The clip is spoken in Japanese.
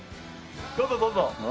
どうぞどうぞ。